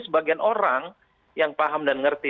sebagian orang yang paham dan ngerti